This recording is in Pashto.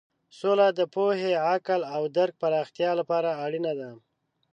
سوله د پوهې، عقل او درک پراختیا لپاره اړینه ده.